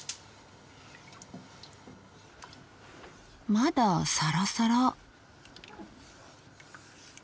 まだサラサラ。